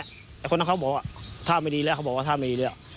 แต่คนนั้นเขาบอกว่าท่าไม่ดีแล้วเขาบอกว่าถ้าไม่ดีแล้ว